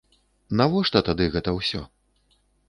Навошта тады гэта ўсё?